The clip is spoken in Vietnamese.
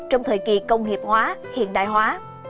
trong thời kỳ công nghiệp hóa hiện đại hóa